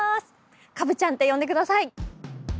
「カブちゃん」って呼んでください。